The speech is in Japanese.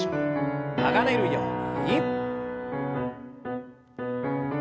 流れるように。